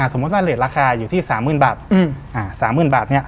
สมมติว่าเลสราคาอยู่ที่๓๐๐๐๐บาท